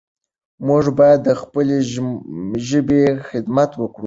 موږ باید د خپلې ژبې خدمت وکړو.